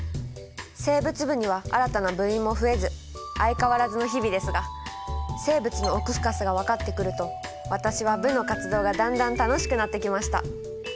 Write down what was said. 生物部には新たな部員も増えず相変わらずの日々ですが生物の奥深さが分かってくると私は部の活動がだんだん楽しくなってきました。